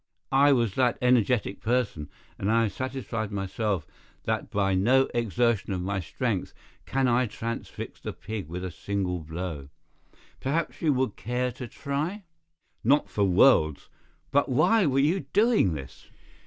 I was that energetic person, and I have satisfied myself that by no exertion of my strength can I transfix the pig with a single blow. Perhaps you would care to try?" "Not for worlds. But why were you doing this?"